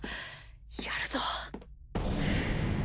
やるぞ。